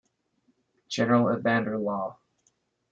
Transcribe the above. General Evander Law.